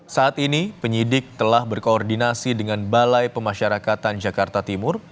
saat ini penyidik telah berkoordinasi dengan balai pemasyarakatan jakarta timur